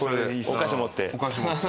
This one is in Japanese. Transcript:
お菓子持って。